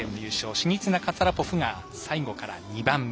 シニツィナカツァラポフが最後から２番目。